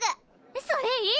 それいい！